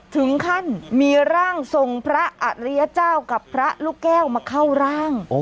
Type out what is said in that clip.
ถึงขั้นมีร่างทรงพระอริยเจ้ากับพระลูกแก้วมาเข้าร่าง